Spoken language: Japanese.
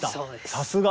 さすが！